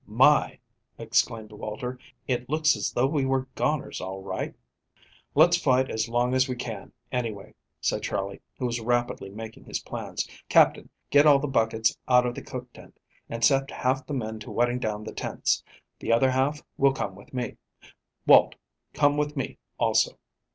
"My!" exclaimed Walter. "It looks as though we were goners, all right." "Let's fight as long as we can, anyway," said Charley, who was rapidly making his plans. "Captain, get all the buckets out of the cook tent, and set half the men to wetting down the tents; the other half will come with me. Walt, come with me, also.